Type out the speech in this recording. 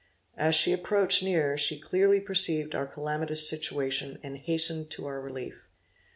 As she approached nearer she clearly perceived our calamitous situation, and hastened to our relief.